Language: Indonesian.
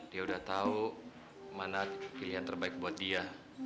dia udah tahu mana pilihan terbaik buat dia